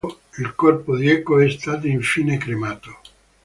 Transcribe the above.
Il corpo di Eco è stato infine cremato.